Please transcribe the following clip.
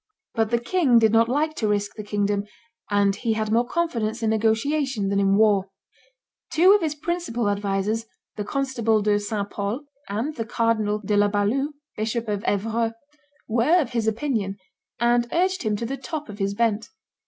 But the king did not like to risk the kingdom; and he had more confidence in negotiation than in war. Two of his principal advisers, the constable De St. Pol and the cardinal De la Balue, Bishop of Evreux, were of his opinion, and urged him to the top of his bent.